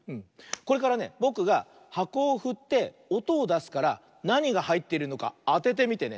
これからねぼくがはこをふっておとをだすからなにがはいっているのかあててみてね。